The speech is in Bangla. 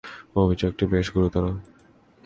অভিযোগটা বেশ গুরুতর।